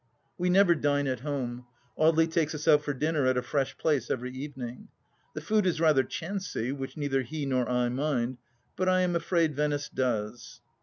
We never dine at home. Audely takes us out for dinner at a fresh place every evening. The food is rather chancy, which neither he nor I mind, bub I am afraid Venice does.